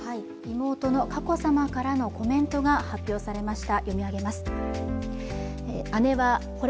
妹の佳子さまからのコメントが発表されました。